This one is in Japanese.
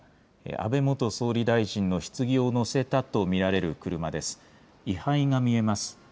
安倍元総理大臣のひつぎを乗せたと見られる車です。